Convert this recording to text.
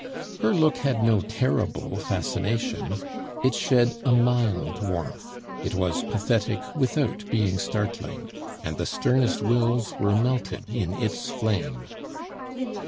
Her look had no terrible fascination; it shed a mild warmth, it was pathetic without being startling, and the sternest wills were melted in its flame.